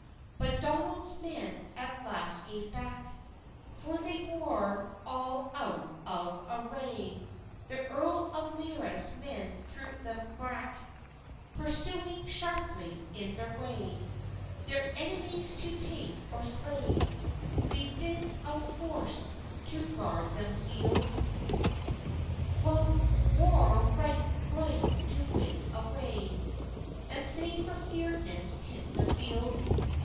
But Donalds men at last gaif back, For they war all out of array: The Earl of Marris men throw them brak, Pursewing shairply in thair way, Thair enemys to tak or slay, Be dynt of forss to gar them yield; Wha war richt blyth to win away, And sae for feirdness tint the feild.